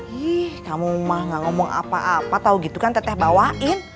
hih kamu mah gak ngomong apa apa tau gitu kan teteh bawain